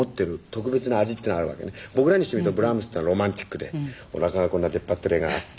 僕らにしてみるとブラームスってのはロマンチックでおなかがこんな出っ張ってる絵があって。